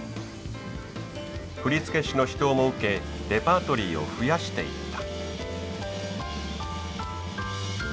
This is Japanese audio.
振付師の指導も受けレパートリーを増やしていった。